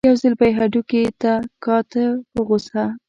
یو ځل به یې هډوکي ته کاته په غوسه.